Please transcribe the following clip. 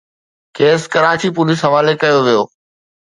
کيس ڪراچي پوليس حوالي ڪيو ويو